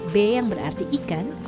be yang berarti ikan